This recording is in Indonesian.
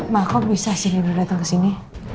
mama kok bisa sih nino datang kesini